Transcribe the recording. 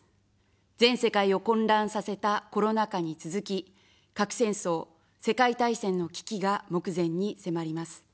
全世界を混乱させたコロナ禍に続き、核戦争、世界大戦の危機が目前に迫ります。